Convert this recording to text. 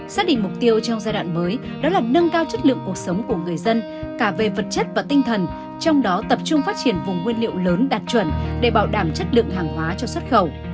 xác định mục tiêu trong giai đoạn mới đó là nâng cao chất lượng cuộc sống của người dân cả về vật chất và tinh thần trong đó tập trung phát triển vùng nguyên liệu lớn đạt chuẩn để bảo đảm chất lượng hàng hóa cho xuất khẩu